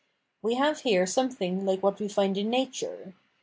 We have here something like what we find in nature.